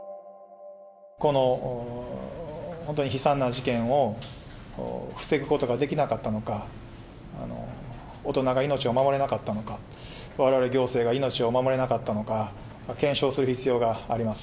この本当に悲惨な事件を防ぐことができなかったのか、大人が命を守れなかったのか、われわれ行政が命を守れなかったのか、検証する必要があります。